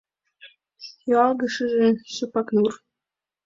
Юалге шыже — шыпак нур.